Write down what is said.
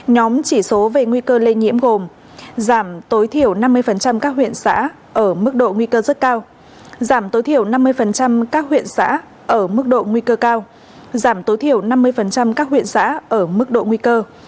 nhóm chỉ số về nguy cơ lây nhiễm gồm giảm tối thiểu năm mươi các huyện xã ở mức độ nguy cơ rất cao giảm tối thiểu năm mươi các huyện xã ở mức độ nguy cơ cao giảm tối thiểu năm mươi các huyện xã ở mức độ nguy cơ